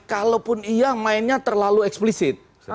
kalaupun iya mainnya terlalu eksplisit